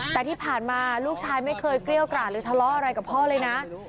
แต่ที่ผ่านมาลูกชายไม่เคยเกรี้ยวกราดหรือทะเลาะอะไรกับพ่อเลยนะ